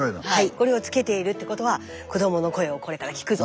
これをつけているってことは子どもの声をこれから聴くと。